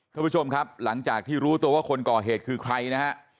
ท่านผู้ชมครับหลังจากที่รู้ตัวว่าคนก่อเหตุคือใครนะฮะ